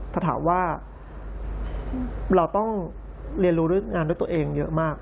แต่ถามว่าเราต้องเรียนรู้ด้วยงานด้วยตัวเองเยอะมาก